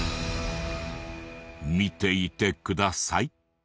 見ていてください。